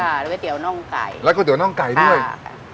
ก๋วยเตี๋ยวน่องไก่แล้วก๋วยเตี๋ยวน่องไก่ด้วยค่ะ